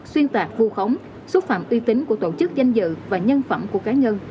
xuyên tạc vu khống xúc phạm uy tín của tổ chức danh dự và nhân phẩm của cá nhân